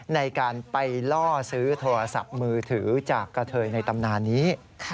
ในการไปล่อซื้อโทรศัพท์มือถือจากกระเทยในตำนานนี้